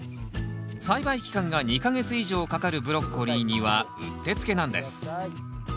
栽培期間が２か月以上かかるブロッコリーにはうってつけなんです。